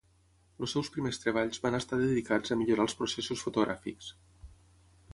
Els seus primers treballs van estar dedicats a millorar els processos fotogràfics.